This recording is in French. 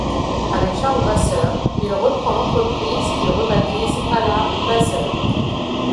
Avec Charles Vasseur, il reprend l'entreprise qu'ils rebaptisent Allard-Vasseur.